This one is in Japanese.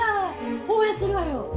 応援するわよ！